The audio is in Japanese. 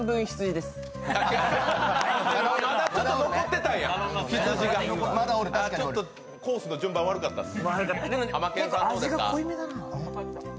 まだちょっと残ってたんや！コースの順番悪かったっす。